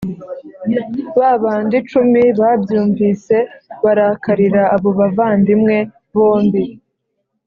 Ba bandi cumi babyumvise barakarira abo bavandimwe bombi.